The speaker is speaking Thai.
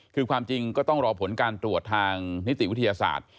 คือความจริงก็ต้องรอผลการตรวจทางนิติวิทยาศาสตร์